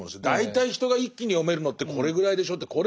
大体人が一気に読めるのってこれぐらいでしょって。